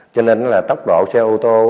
cho nên là tốc độ xe ô tô